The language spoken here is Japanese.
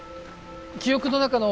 記憶の中の